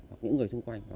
hoặc những người xung quanh